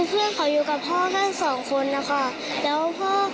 เพื่อนเขาอยู่กับพ่อแค่สองคนอ่ะค่ะ